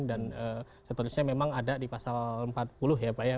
dan sebetulnya memang ada di pasal empat puluh ya pak ya